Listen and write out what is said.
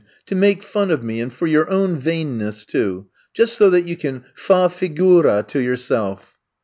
To make fun of me, and for your own vainness, too. Just so that you can fa figura to yourself.